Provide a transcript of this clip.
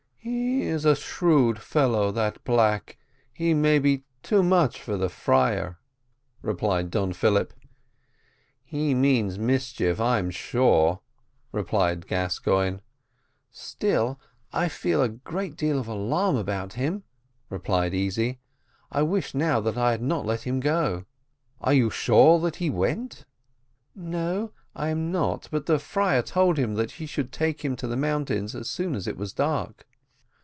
"He is a shrewd fellow, that black; he may be too much for the friar," replied Don Philip. "He means mischief, I'm sure," replied Gascoigne. "Still I feel a great deal of alarm about him," replied Easy; "I wish now that I had not let him go." "Are you sure that he went?" "No, I am not; but the friar told him that he should take him to the mountains as soon as it was dark."